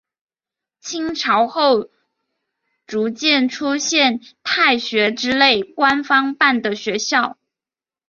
清朝后逐渐出现太学之类官方办的学校。